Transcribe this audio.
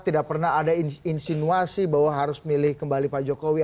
tidak pernah ada insinuasi bahwa harus milih kembali pak jokowi